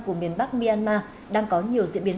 của miền bắc myanmar đang có nhiều diễn biến